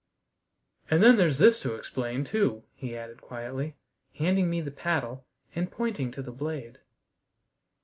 "And then there's this to explain too," he added quietly, handing me the paddle and pointing to the blade.